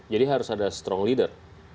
jadi harus ada strong leader